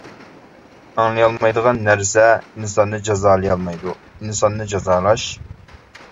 ئاڭلىيالمايدىغان نەرسە ئىنساننى جازالىيالمايدۇ. ئىنساننى جازالاش.